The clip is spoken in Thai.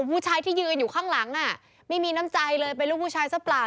ผู้ชายที่ยืนอยู่ข้างหลังไม่มีน้ำใจเลยเป็นลูกผู้ชายซะเปล่า